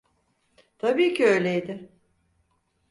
Tabii ki öyleydi.